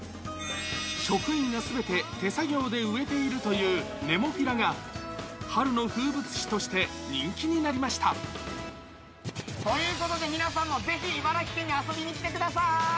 職員がすべて手作業で植えているというネモフィラが、春の風物詩ということで、皆さんもぜひ茨城県に遊びに来てください。